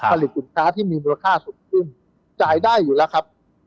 ผลิตสินค้าที่มีมูลค่าสูงขึ้นจ่ายได้อยู่แล้วครับ